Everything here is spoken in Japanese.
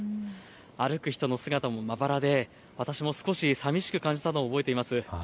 歩く人の姿もまばらで私も少しさびしく感じたのを覚えています。